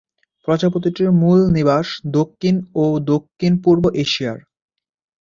প্রজাতিটির মূল নিবাস দক্ষিণ ও দক্ষিণ-পূর্ব এশিয়ায়।